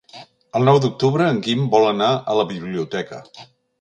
El nou d'octubre en Guim vol anar a la biblioteca.